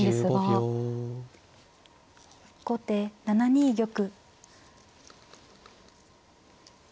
後手７二玉。